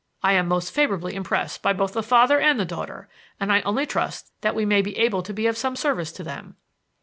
"I am most favorably impressed by both the father and the daughter, and I only trust that we may be able to be of some service to them."